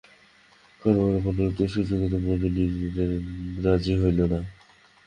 কৌরবেরা পাণ্ডবদিগকে সূচ্যগ্র মেদিনী দিতেও রাজী হইল না।